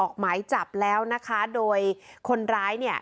ออกหมายจับแล้วนะคะโดยคนร้ายเนี่ย